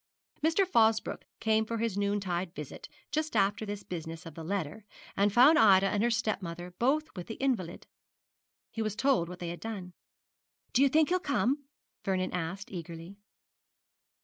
Mr. Fosbroke came for his noontide visit just after this business of the letter, and found Ida and her stepmother both with the invalid. He was told what they had done. 'Do you think he'll come?' Vernon asked, eagerly.